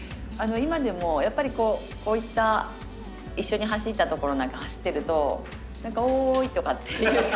今でもやっぱりこういった一緒に走ったところなんか走ってると何か「おい」とかっていう感じになりますね。